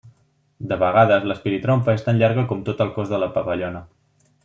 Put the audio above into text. De vegades, l'espiritrompa és tan llarga com tot el cos de la papallona.